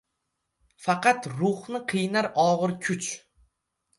Faqat ruhni qiynar og‘ir kuch.